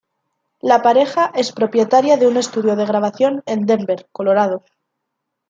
La pareja es propietaria de un estudio de grabación en Denver, Colorado.